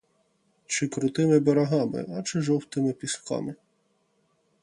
Чи крутими берегами, а чи жовтими пісками?